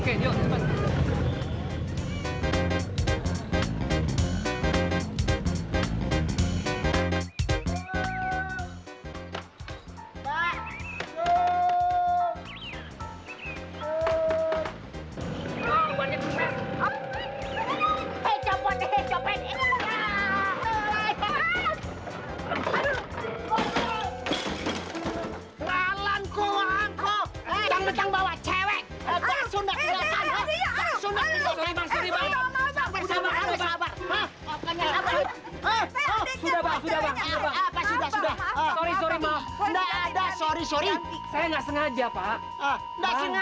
saya mau jeban